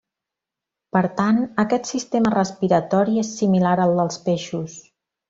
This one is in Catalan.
Per tant, aquest sistema respiratori és similar al dels peixos.